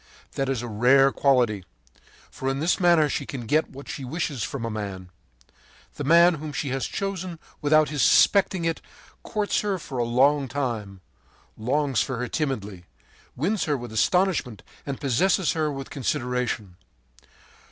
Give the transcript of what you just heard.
That is a rare quality, for in this manner she can get what she wishes from a man. The man whom she has chosen without his suspecting it courts her for a long time, longs for her timidly, wins her with astonishment and possesses her with consideration.